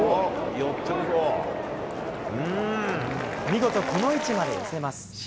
見事、この位置まで寄せます。